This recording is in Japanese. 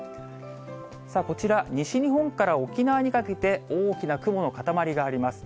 さあこちら、西日本から沖縄にかけて、大きな雲の固まりがあります。